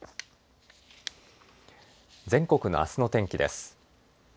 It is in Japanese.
全国のあすの天気です。